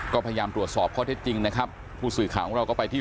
ก็พยายามตรวจสอบข้อเท็จจริงนะครับผู้สื่อข่าวของเราก็ไปที่